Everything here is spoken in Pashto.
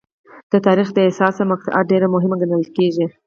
د تاریخ دا حساسه مقطعه ډېره مهمه ګڼل کېږي.